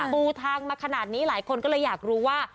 ปูทางมาขนาดนี้หลายคนก็เลยอยากรู้ว่า